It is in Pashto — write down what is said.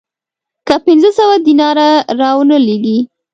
که پنځه سوه دیناره را ونه لېږې